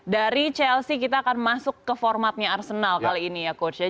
dari chelsea kita akan masuk ke formatnya arsenal kali ini ya coach ya